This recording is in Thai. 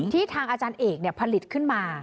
ที่ทางอาจารย์เอกเนี่ยผลิตขึ้นมา